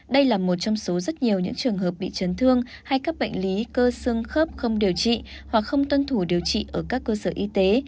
đây là một trong số rất nhiều những trường hợp bị chấn thương hay các bệnh lý cơ xương khớp không điều trị hoặc không tuân thủ điều trị ở các cơ sở y tế